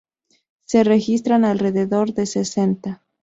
Se registran alrededor de sesenta.